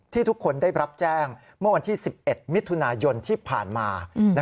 ทุกคนได้รับแจ้งเมื่อวันที่๑๑มิถุนายนที่ผ่านมา